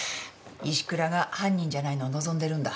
石倉が犯人じゃないのを望んでるんだ。